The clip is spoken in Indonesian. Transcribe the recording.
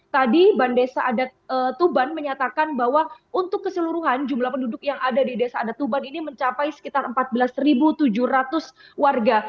tadi bandesa adat tuban menyatakan bahwa untuk keseluruhan jumlah penduduk yang ada di desa adatuban ini mencapai sekitar empat belas tujuh ratus warga